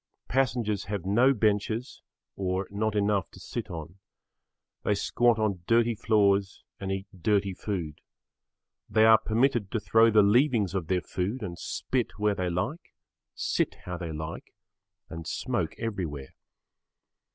Passengers have no benches or not enough to sit on. They squat on dirty floors and eat dirty food. They are permitted to throw the leavings of their food and spit where they like, sit how they like and smoke everywhere.